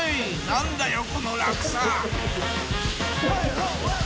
何だよ